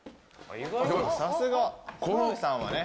さすが澤部さんはね